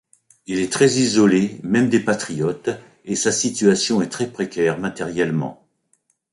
Il est très isolé, même des patriotes, et sa situation est très précaire matériellement.